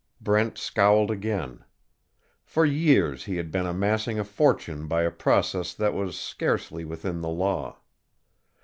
Brent scowled again. For years he had been amassing a fortune by a process that was scarcely within the law.